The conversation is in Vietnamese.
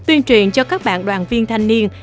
tuyên truyền cho các bạn đoàn viên thanh niên